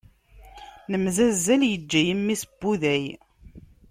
Nemzazzal, iǧǧa-yi mmi-s n wuday.